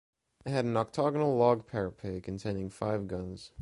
It had an octagonal log parapet containing five guns.